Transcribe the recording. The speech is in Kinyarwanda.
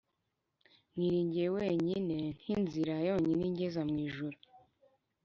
mwiringiye wenyine nk'inzira yonyine ingeza mu ijuru.